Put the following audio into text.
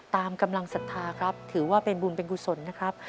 กำลังศรัทธาครับถือว่าเป็นบุญเป็นกุศลนะครับ